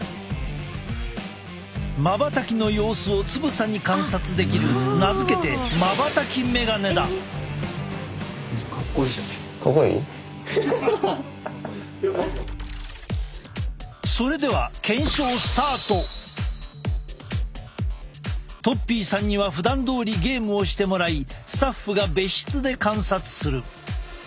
まばたきの様子をつぶさに観察できる名付けてとっぴーさんにはふだんどおりゲームをしてもらいスタッフが別室で観察する。